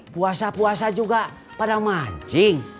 puasa puasa juga pada mancing